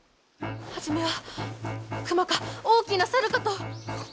初めは熊か大きな猿かと。